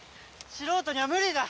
素人には無理だ。